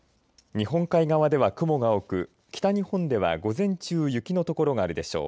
日本海側では雲が多く北日本では午前中雪の所があるでしょう。